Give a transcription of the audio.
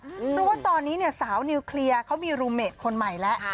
เพราะว่าตอนนี้เนี่ยสาวนิวเคลียร์เขามีรูเมดคนใหม่แล้ว